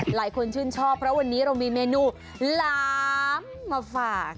หลายคนชื่นชอบเพราะวันนี้เรามีเมนูหลามมาฝาก